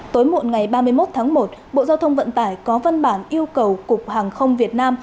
tối muộn ngày ba mươi một tháng một bộ giao thông vận tải có văn bản yêu cầu cục hàng không việt nam